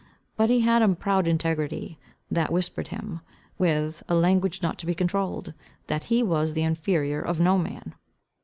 But he had a proud integrity, that whispered him, with, a language not to be controled, that he was the inferior of no man.